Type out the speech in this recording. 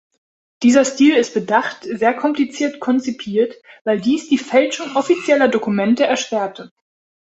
Dieser Stil ist bedacht sehr kompliziert konzipiert, weil dies die Fälschung offizieller Dokumente erschwerte.